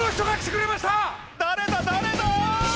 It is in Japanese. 誰だ誰だ！？